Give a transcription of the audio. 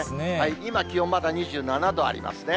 今気温、まだ２７度ありますね。